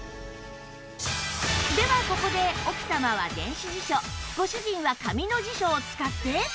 ではここで奥様は電子辞書ご主人は紙の辞書を使って